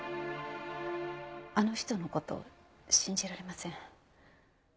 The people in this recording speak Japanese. あの人の事信じられません。